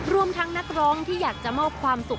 รวมทั้งนักร้องที่อยากจะมอบความสุข